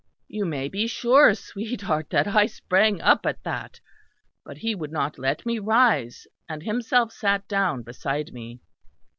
You may be sure, sweetheart, that I sprang up at that; but he would not let me rise; and himself sat down beside me.